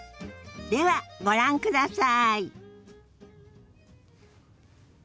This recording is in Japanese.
ではご覧ください。